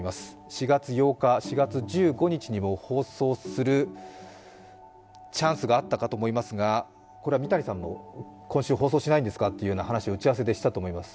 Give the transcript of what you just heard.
４月８日、４月１５日にも放送するチャンスがあったかと思うんですが、これは三谷さんも、今週放送しないんですかという話を打ち合わせをしたと思います。